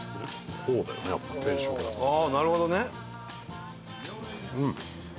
ああなるほどね。